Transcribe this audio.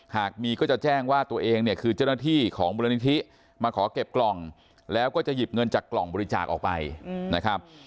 หากมีก็จะแจ้งว่าตัวเองเนี่ยคือเจ้าหน้าที่ของมูลนิธิมาขอเก็บกล่องแล้วก็จะหยิบเงินจากกล่องบริจาคออกไปนะครับ